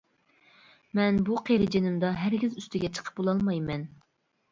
مەن بۇ قېرى جېنىمدا ھەرگىز ئۈستىگە چىقىپ بولالمايمەن.